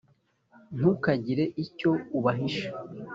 ntukagire icyo ubahisha .